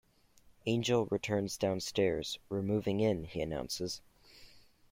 Angel returns downstairs; "We're moving in," he announces.